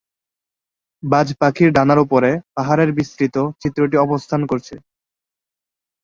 বাজ পাখির ডানার উপরে পাহাড়ের বিস্তৃত চিত্রটি অবস্থান করছে।